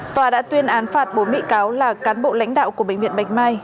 tòa đã tuyên án phạt bốn bị cáo là cán bộ lãnh đạo của bệnh viện bạch mai